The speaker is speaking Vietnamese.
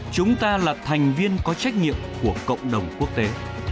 chúng ta là thành viên có trách nhiệm của cộng đồng quốc tế